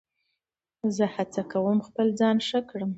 زه هڅه کوم خپل ځان ښه کړم.